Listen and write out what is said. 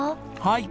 はい。